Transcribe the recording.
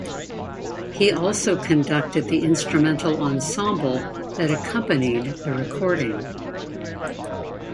He also conducted the instrumental ensemble that accompanied the recording.